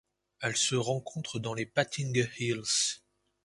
Elle se rencontre dans les Patinghe Hills.